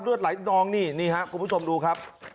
เลือดไหลนองนี่นี่ครับคุณผู้ชมดูครับ